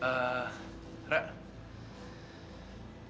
glenn ngapain kamu kesini